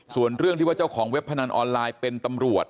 ส่วนเรื่องที่ว่าเจ้าของเว็บพนันออนไลน์เป็นตำรวจ